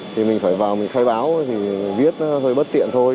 thì mình phải vào mình khai báo thì viết nó hơi bất tiện thôi